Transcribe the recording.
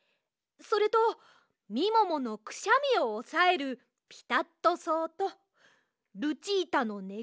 それとみもものくしゃみをおさえるピタットそうとルチータのね